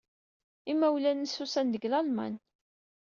Imawlan-nnes usan-d seg Lalman.